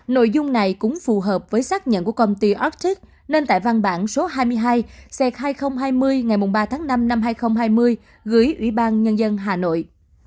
nội dung này cũng phù hợp với xác nhận của công ty ortic nên tại văn bản số hai mươi hai c hai nghìn hai mươi ngày ba tháng năm năm hai nghìn hai mươi gửi ủy ban nhân dân hà nội